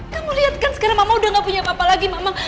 kamu lihat kan sekarang mama udah gak punya apa apa lagi mama